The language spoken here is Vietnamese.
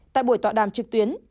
tại buổi tọa đàm trực tuyến